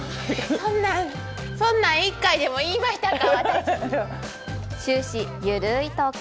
そんなん、そんなん一回でも言いましたか？